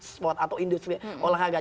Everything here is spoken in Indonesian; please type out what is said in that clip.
sport atau industri olahraga